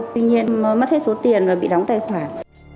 tuy nhiên mất hết số tiền và bị đóng tài khoản